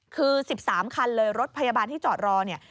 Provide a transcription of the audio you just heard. คือ๑๓คันเลยรถพยาบาลที่จอดรอเนี่ย